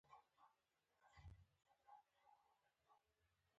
هېڅ حکومت او اداره پکې نه وه.